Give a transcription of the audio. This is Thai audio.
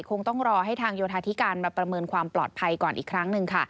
คงต้องรอให้ทางโยธาธิการมาประเมินความปลอดภัยก่อนอีกครั้งหนึ่งค่ะ